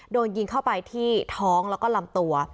โดนยิงเข้าไปที่ท้องแล้วก็ลำตัว